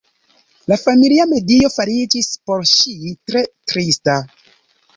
La familia medio fariĝis por ŝi tre trista.